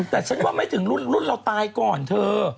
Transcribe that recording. แต่ฉันว่าไม่ถึงรุ่นเราตายก่อนเธอ